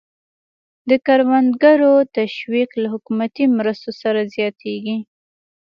د کروندګرو تشویق له حکومتي مرستو سره زیاتېږي.